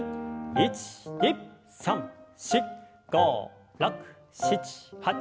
１２３４５６７８。